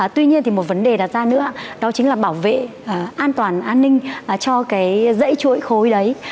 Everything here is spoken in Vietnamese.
tuy nhiên thì một vấn đề đặt ra nữa đó chính là bảo vệ an toàn an ninh cho cái dãy chuỗi khối đấy